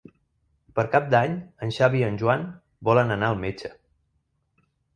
Per Cap d'Any en Xavi i en Joan volen anar al metge.